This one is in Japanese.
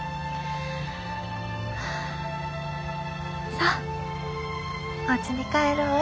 さあおうちに帰ろうえ。